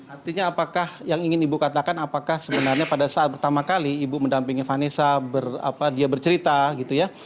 artinya apakah yang ingin ibu katakan apakah sebenarnya pada saat pertama kali ibu mendampingi vanessa dia bercerita gitu ya